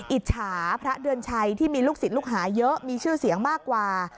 อิจฉาพระเดือนชัยที่มีลูกศิษย์ลูกหาเยอะมีชื่อเสียงมากกว่า